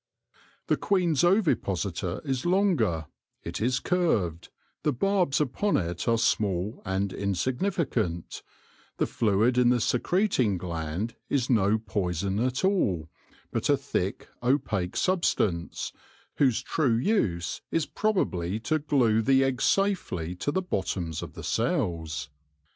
The queen's ovipositor is longer ; it is curved ; the barbs upon it are small and insignificant ; the fluid in the secreting gland is no poison at all, but a thick opaque substance, whose true use is probably to glue the eggs safely to the bottoms of the cells.